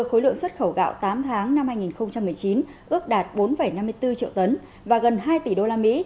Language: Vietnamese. khối lượng xuất khẩu gạo tám tháng năm hai nghìn một mươi chín ước đạt bốn năm mươi bốn triệu tấn và gần hai tỷ usd